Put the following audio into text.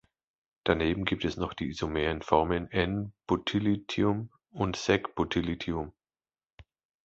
Daneben gibt es noch die isomeren Formen "n"-Butyllithium und "sec"-Butyllithium.